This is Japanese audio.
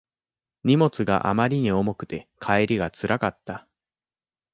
荷物があまりに重くて帰りがつらかった